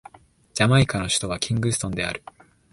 ジャマイカの首都はキングストンである